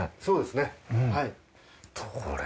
そうですねはい。